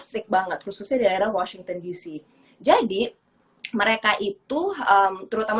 sering banget khususnya di vasht centro disney jadi mereka itu hal terutama